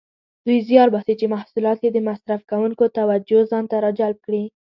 دوی زیار باسي چې محصولات یې د مصرف کوونکو توجه ځانته راجلب کړي.